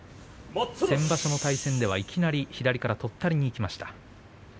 先場所の対戦ではいきなり左からとったりにいきました。